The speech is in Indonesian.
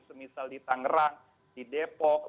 semisal di tangerang di depok